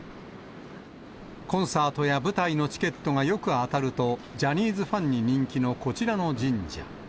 コンサートや舞台のチケットがよく当たると、ジャニーズファンに人気のこちらの神社。